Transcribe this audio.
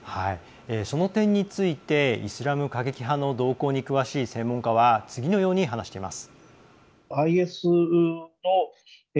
その点についてイスラム過激派の動向に詳しい専門家は次のように話しています。